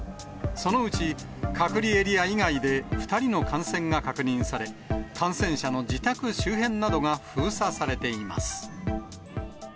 そのうち、隔離エリア以外で２人の感染が確認され、感染者の自宅周辺などが封鎖されています。